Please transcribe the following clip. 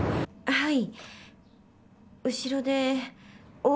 はい。